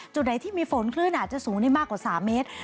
จุดไหนที่มีฝนคลื่นอาจจะสูงได้มากกว่า๓เมตร